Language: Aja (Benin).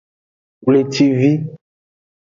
Wlecivi.